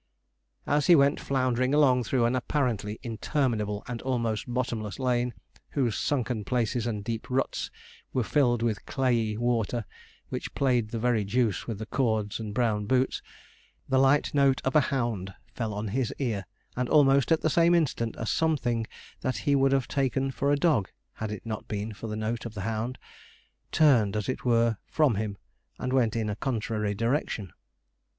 As he went floundering along through an apparently interminable and almost bottomless lane, whose sunken places and deep ruts were filled with clayey water, which played the very deuce with the cords and brown boots, the light note of a hound fell on his ear, and almost at the same instant, a something that he would have taken for a dog had it not been for the note of the hound, turned, as it were, from him, and went in a contrary direction.